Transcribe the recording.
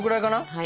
はい。